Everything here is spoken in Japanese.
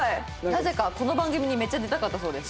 なぜかこの番組にめっちゃ出たかったそうです。